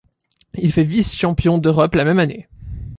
Il fait vice-champion d’Europe la même année.